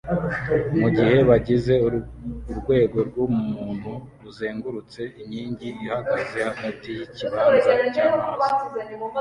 mugihe bagize urwego rwumuntu ruzengurutse inkingi ihagaze hagati yikibanza cyamazi